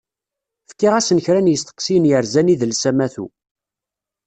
Fkiɣ-asen kra n yisteqsiyen yerzan idles amatu.